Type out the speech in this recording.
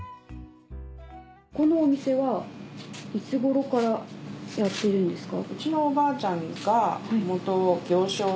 このお店はいつごろからやってるんですか？